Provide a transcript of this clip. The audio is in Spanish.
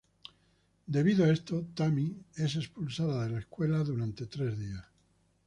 Debido a esto, Tammy es expulsada de la escuela durante tres días.